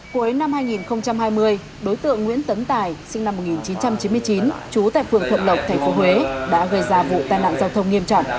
cuối năm hai nghìn hai mươi đối tượng nguyễn tấn tài sinh năm một nghìn chín trăm chín mươi chín trú tại phường thuận lộc tp huế đã gây ra vụ tai nạn giao thông nghiêm trọng